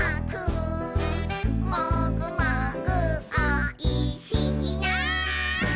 「もぐもぐおいしいな」